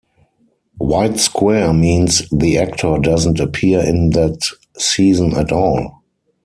White square means the actor doesn't appear in that season at all.